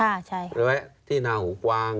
แม้ที่น่าหูกวาง